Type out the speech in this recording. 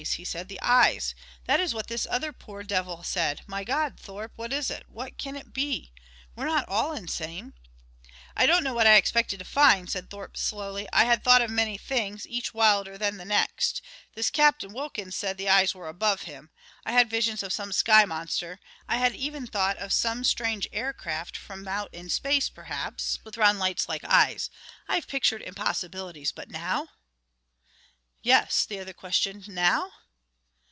he said. "The eyes! That is what this other poor devil said. My God, Thorpe, what is it? What can it be? We're not all insane." "I don't know what I expected to find," said Thorpe slowly. "I had thought of many things, each wilder than the next. This Captain Wilkins said the eyes were above him. I had visions of some sky monster ... I had even thought of some strange aircraft from out in space, perhaps, with round lights like eyes. I have pictured impossibilities! But now " "Yes," the other questioned, "now?"